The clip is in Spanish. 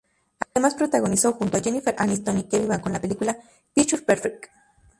Además protagonizó junto a Jennifer Aniston y Kevin Bacon la película "Picture Perfect".